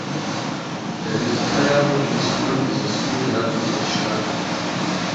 Иара ихаҭа иакәушәа збоит изызкугьы ажәа гәыҭшьаагақәа.